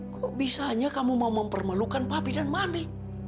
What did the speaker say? kok bisanya kamu mau mempermalukan papi dan maling